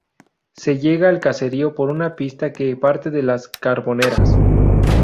Se llega al caserío por una pista que parte de Las Carboneras.